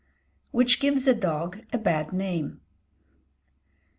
WHICH GIVES A DOG A BAD NAME.